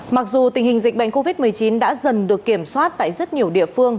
mặc dù tình hình dịch bệnh covid một mươi chín đã dần được kiểm soát tại rất nhiều địa phương